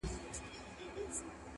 ووایه نسیمه نن سبا ارغوان څه ویل.!.!